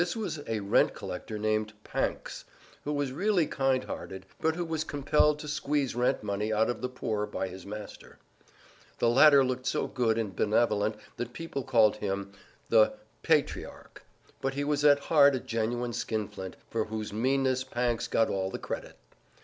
This was a rent collector named Pancks, who was really kind hearted, but who was compelled to squeeze rent money out of the poor by his master. The latter looked so good and benevolent that people called him "The Patriarch," but he was at heart a genuine skinflint, for whose meanness Pancks got all the credit.